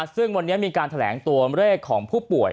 ซึ่งวันนี้มีการแถลงตัวเลขของผู้ป่วย